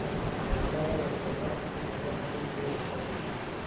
لغمان یو جنت وو، جنت يې بې له شکه.